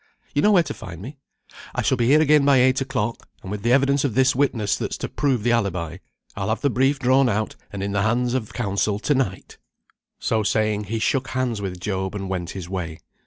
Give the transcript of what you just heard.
You know where to find me. I shall be here again by eight o'clock, and with the evidence of this witness that's to prove the alibi, I'll have the brief drawn out, and in the hands of counsel to night." So saying he shook hands with Job, and went his way.